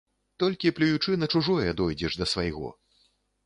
Толькі плюючы на чужое, дойдзеш да свайго.